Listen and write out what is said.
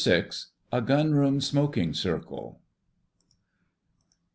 * *A GUNROOM SMOKING CIRCLE.